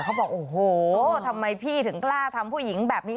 เขาบอกโอ้โหทำไมพี่ถึงกล้าทำผู้หญิงแบบนี้